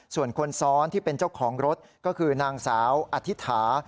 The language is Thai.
ส่วนคนซ้อนที่เป็นเจ้าของรถก็คือนางสาวอธิษฐาน